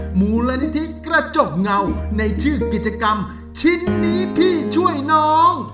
มูลนิธิกระจกเงาในชื่อกิจกรรมชิ้นนี้พี่ช่วยน้อง